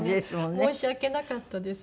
申し訳なかったです。